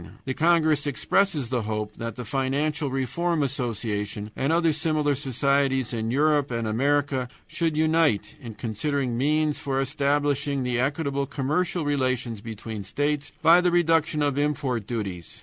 The congress expresses the hope that the Financial Reform Association and other similar societies in Europe and America should unite in considering means for establishing equitable commercial relations between states, by the reduction of import duties.